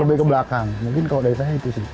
lebih ke belakang mungkin kalau dari saya itu sih